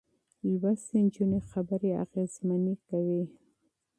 تعليم شوې نجونې خبرې اغېزمنې کوي.